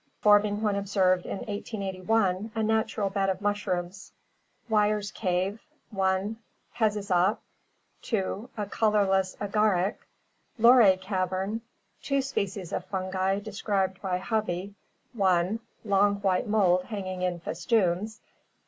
forming when observed in 1881 a natural bed of mushrooms. Weyer's Cave: 1. Pezizasp. 2. A colorless Agaric. Luray Cavern: Two species of fungi described by Hovey: 1. Long white mold hanging in festoons.